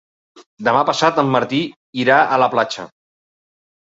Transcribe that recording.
Demà passat en Martí irà a la platja.